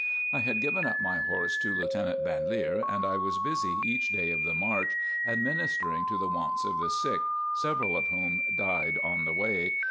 I had given up my horse to Lieutenant Van Leer and I was busy each day of the march administering to the wants of the sick, several of whom died on the way.